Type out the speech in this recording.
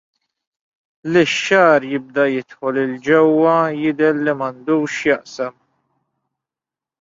Li x-xagħar jibda jidħol 'l ġewwa jidher li m'għandux x'jaqsam.